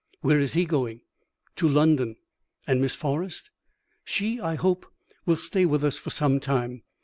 "Where is he going?" "To London." "And Miss Forrest?" "She, I hope, will stay with us for some time.